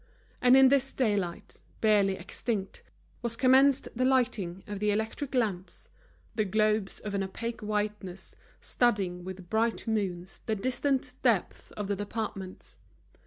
And in this daylight, barely extinct, was commenced the lighting of the electric lamps, the globes of an opaque whiteness studding with bright moons the distant depths of the departments.